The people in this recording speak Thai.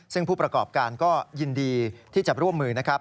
ซึ่งผู้ประกอบการก็ยินดีที่จะร่วมมือนะครับ